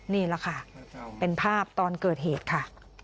นี่แหละค่ะเป็นภาพตอนเกิดเหตุค่ะ